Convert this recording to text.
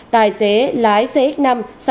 tài xế lái cx năm